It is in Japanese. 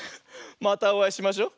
またおあいしましょう。